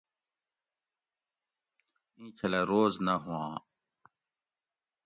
اینچھلہ روز نہ ہُوآں